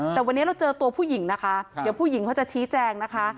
แต่วันนี้เราเจอตัวผู้หญิงนะคะเดี๋ยวผู้หญิงเขาจะชี้แจงนะคะ